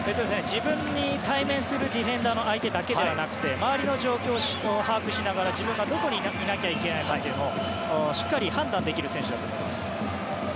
自分に対面するディフェンダーの相手だけではなくて周りの状況を把握しながら自分がどこにいなきゃいけないかをしっかり判断できる選手だと思います。